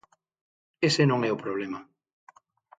Ese non é o problema.